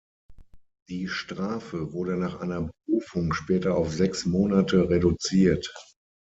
Die Strafe wurde nach einer Berufung später auf sechs Monate reduziert.